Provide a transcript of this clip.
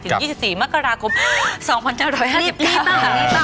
หลีดรีบหรือเปล่า